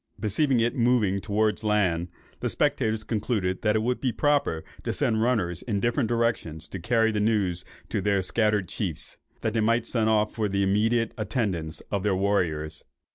Perceiving it moving towards land, the spectators concluded that it would be proper to send runners in different directions to carry the news to their scattered chiefs, that they might send off for the immediate attendance of their warriors.